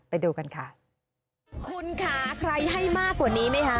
ไปดูกันค่ะคุณค่ะใครให้มากกว่านี้ไหมคะ